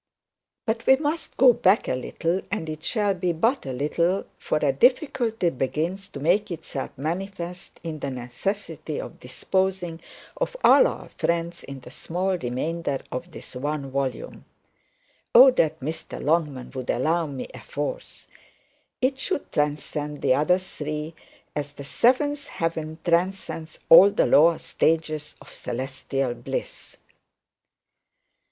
But we must go back a little, and it shall be but a little, for a difficulty begins to make itself manifest in the necessity of disposing of all our friends in the small remainder of this one volume. Oh, that Mr Longman would allow me a fourth! It should transcend the other three as the seventh heaven transcends all the lower stages of celestial bliss.